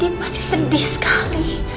dia pasti sedih sekali